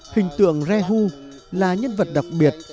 hình tượng rehu là nhân vật đặc biệt